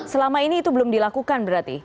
selama ini itu belum dilakukan berarti